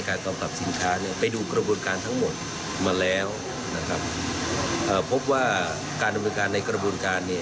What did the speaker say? กระบวนการทั้งหมดมาแล้วพบว่าการดำเนินการในกระบวนการ